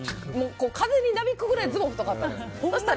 風になびくぐらいズボンが太かったんです。